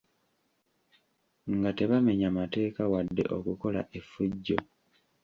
Nga tebamenya mateeka wadde okukola efujjo.